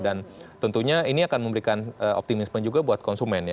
dan tentunya ini akan memberikan optimisme juga buat konsumen